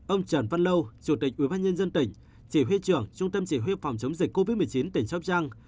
ông trần văn lâu chủ tịch ubnd tỉnh chỉ huy trưởng trung tâm chỉ huy phòng chống dịch covid một mươi chín tỉnh sóc trăng